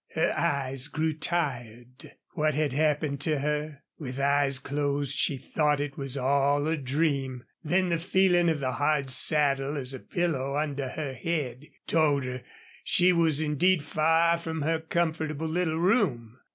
Her eyes grew tired. What had happened to her? With eyes closed she thought it was all a dream. Then the feeling of the hard saddle as a pillow under her head told her she was indeed far from her comfortable little room.